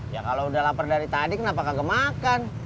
ya kalo udah lapar dari tadi kenapa kagak makan